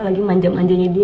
apalagi manja manjanya dia bu